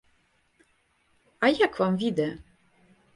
А як вам відэа?